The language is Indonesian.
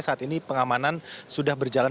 saat ini pengamanan sudah berjalan